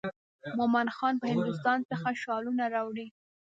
مومن خان به هندوستان څخه شالونه راوړي.